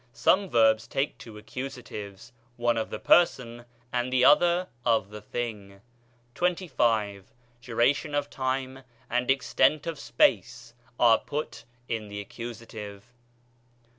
Some verbs take two accusatives, one of the person and the other of the thing. XXV. Duration of time and extent of space are put in the accusative.